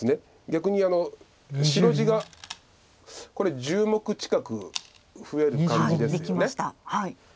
逆に白地が１０目近く増える感じですよね。